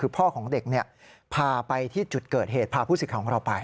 คือพ่อของเด็กพาไปที่จุดเกิดเหตุพาผู้สิทธิ์ของเราไป